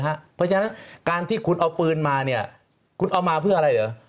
เพราะฉะนั้นการที่คุณเอาปืนมาเนี่ยคุณเอามาเพื่ออะไรเหรอ